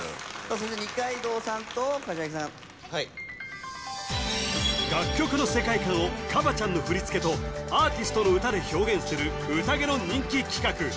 それで二階堂さんと柏木さんはい楽曲の世界観をＫＡＢＡ．ちゃんの振付とアーティストの歌で表現するＵＴＡＧＥ！の人気企画